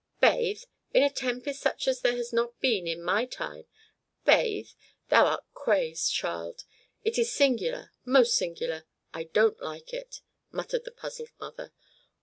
"Bathe! In a tempest such as there has not been in my time! Bathe! Thou art crazed, child! It is singular, most singular. I don't like it!" muttered the puzzled mother.